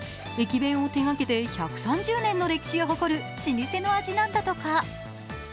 駅弁を手がけて１３０年の歴史を誇る老舗の味なんだとか。